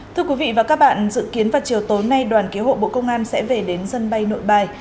thưa quý vị và các bạn dự kiến vào chiều tối nay đoàn cứu hộ bộ công an sẽ về đến sân bay nội bài